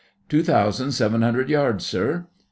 'Two thousand seven hundred yards, sir.